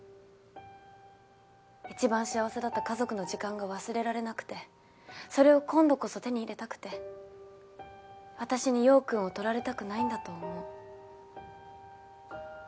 一番幸せだった家族の時間が忘れられなくてそれを今度こそ手に入れたくて私に陽君を取られたくないんだと思う。